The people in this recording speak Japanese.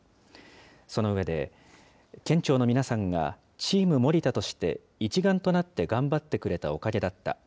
その上で、県庁の皆さんがチーム森田として一丸となって頑張ってくれたおかげだった。